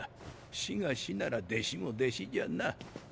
師が師なら弟子も弟子じゃな。